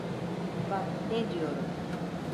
Bak ne diyorum.